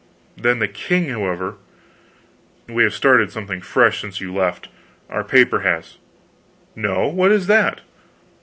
Then the king however, we have started something fresh since you left our paper has." "No? What is that?"